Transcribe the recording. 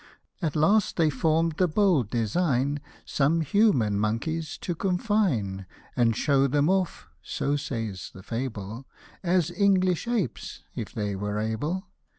At last they form'd the bold design Some human monkeys to confine, And show them off (so says the fable) As English apes, if they were able.